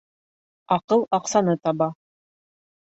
Аҡыл аҡсаны таба.